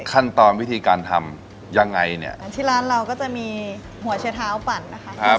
ขั้นตอนวิธีการทำยังไงเนี่ยที่ร้านเราก็จะมีหัวเชื้อเท้าปั่นนะคะครับ